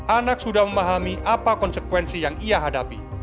anak sudah memahami apa konsekuensi yang ia hadapi